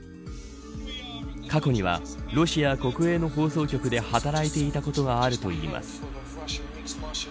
過去には、ロシア国営の放送局で働いていたことがあるといいます。